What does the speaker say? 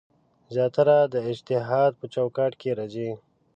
زیاتره د اجتهاد په چوکاټ کې راځي.